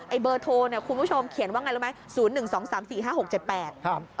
ไอ้เบอร์โทรคุณผู้ชมเขียนว่าอย่างไรรู้ไหม